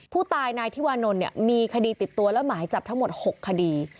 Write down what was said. ผู้ตายนายที่วานนลมีคดีติดตัวและหมายจับทั้งหมด๖คดี